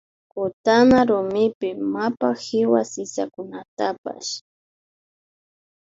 Kutana rumipi mapa kiwa sisakunatapsh